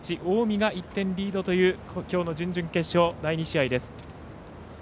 近江が１点リードというきょうの準々決勝、第２試合です。